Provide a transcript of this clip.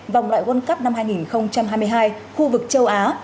vòng loại world cup năm hai nghìn hai mươi hai khu vực châu á